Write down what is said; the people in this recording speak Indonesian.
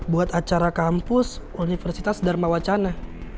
buat acara kampus universitas dharma wacana